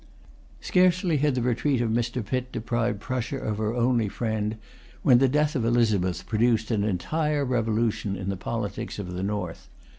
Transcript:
Scarcely had the retreat of Mr. Pitt deprived Prussia of her only friend, when the death of Elizabeth produced an entire revolution in the politics of the North.